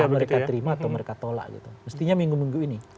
mereka terima atau mereka tolak gitu mestinya minggu minggu ini